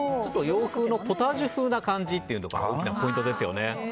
洋風のポタージュ風な感じというのが大きなポイントですよね。